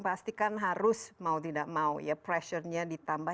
pastikan harus mau tidak mau ya pressure nya ditambah